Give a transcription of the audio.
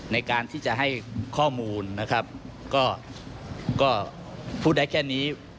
ในการที่จะให้ข้อมูลนะครับก็พูดได้แค่นี้